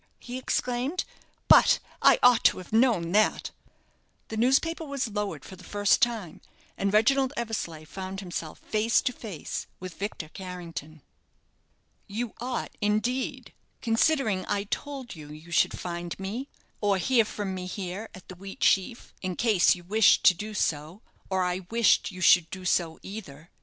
he exclaimed. "But I ought to have known that." The newspaper was lowered for the first time; and Reginald Eversleigh found himself face to face with Victor Carrington. "You ought, indeed, considering I told you you should find me, or hear from me here, at the 'Wheatsheaf,' in case you wished to do so, or I wished you should do so either.